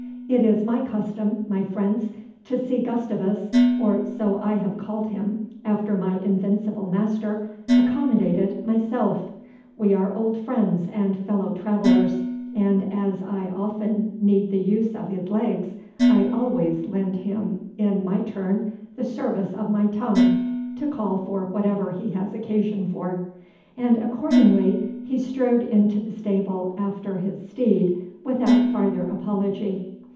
"It is my custom, my friends, to see Gustavus (for so I have called him, after my invincible master) accommodated myself; we are old friends and fellow travellers, and as I often need the use of his legs, I always lend him in my turn the service of my tongue, to call for whatever he has occasion for;" and accordingly he strode into the stable after his steed without farther apology.